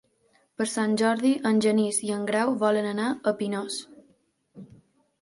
Per Sant Jordi en Genís i en Grau volen anar a Pinós.